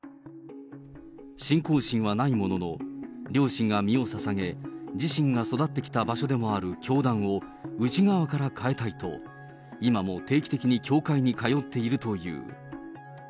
信仰心はないものの、両親が身をささげ、自身が育ってきた場所でもある教団を内側から変えたいと、今も定期的に教会に通っているという。